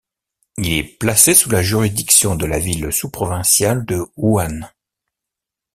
Il est placé sous la juridiction de la ville sous-provinciale de Wuhan.